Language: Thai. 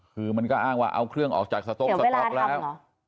คือมันก็อ้างว่าเอาเครื่องออกจากสต๊กสต๊อกแล้ว